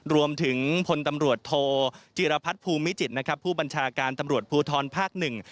รวมถึงพลตำรวจโทจิรพัฒน์ภูมิจิตรผู้บัญชาการตำรวจภูทรภาคหนึ่ง